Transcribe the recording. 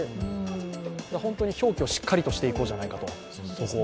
本当に表記をしっかりしていこうじゃないかと。